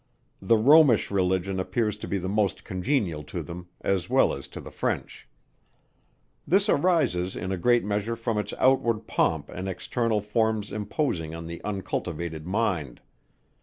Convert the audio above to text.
The Romish religion appears to be the most congenial to them, as well as to the French. This arises in a great measure from its outward pomp and external forms imposing on the uncultivated mind.